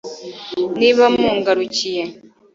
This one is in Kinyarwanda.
niba mungarukiye